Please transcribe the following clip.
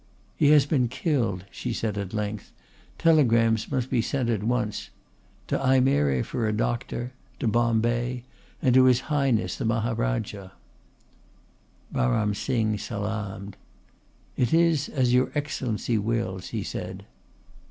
"He has been killed," she said at length; "telegrams must be sent at once: to Ajmere for a doctor, to Bombay, and to His Highness the Maharajah." Baram Singh salaamed. "It is as your Excellency wills," he said.